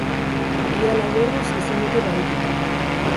Ia lau orduz izan dute bahituta.